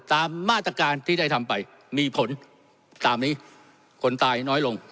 ตามมาตรการที่ได้ทำไปมีผลตามนี้คนตายน้อยลง